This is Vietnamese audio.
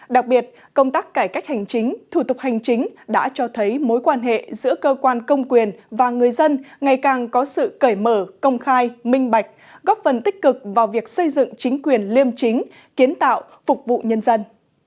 đặc biệt công tác cải cách hành chính thủ tục hành chính đã cho thấy mối quan hệ giữa cơ quan công quyền và người dân ngày càng có sự cởi mở công khai minh bạch góp phần tích cực vào việc xây dựng chính quyền liêm chính kiến tạo phục vụ nhân dân